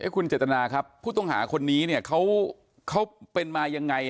คุณเจตนาครับผู้ต้องหาคนนี้เนี่ยเขาเป็นมายังไง